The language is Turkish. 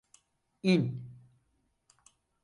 İn!